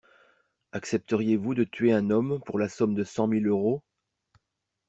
Accepteriez-vous de tuer un homme pour la somme de cent mille euros